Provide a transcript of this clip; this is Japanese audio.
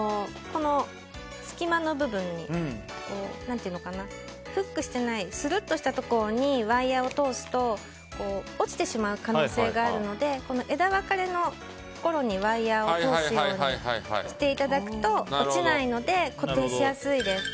隙間の部分にフックしてないするっとしているところにワイヤを通すと落ちてしまう可能性があるので枝分かれのところにワイヤを通すようにしていただくと落ちないので固定しやすいです。